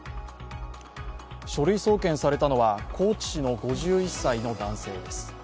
書類送検されたのは高知市の５１歳の男性です。